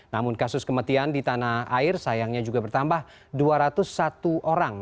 namun kasus kematian di tanah air sayangnya juga bertambah dua ratus satu orang